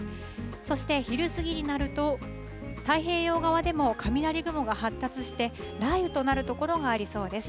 そして、昼過ぎになると太平洋側でも雷雲が発達して雷雨となる所がありそうです。